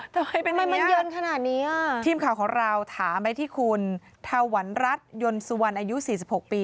ทำไมเป็นอย่างนี้ทีมข่าวของเราถามไปที่คุณทาวันรัตน์ยนต์สุวรรค์อายุ๔๖ปี